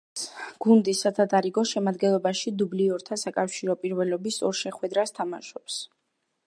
იმავე წელს გუნდის სათადარიგო შემადგენლობაში დუბლიორთა საკავშირო პირველობის ორ შეხვედრას თამაშობს.